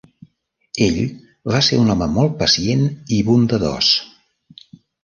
Ell va ser un home molt pacient i bondadós.